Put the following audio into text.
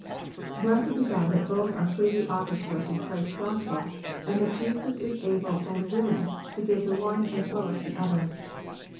Blessed be God that both are freely offered to us in Christ s Gospel, and that Jesus is able and will ing to give the one as well as the other